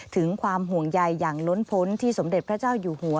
ถึงความห่วงใยอย่างล้นพ้นที่สมเด็จพระเจ้าอยู่หัว